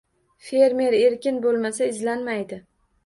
Fermer erkin bo‘lmasa izlanmaydi.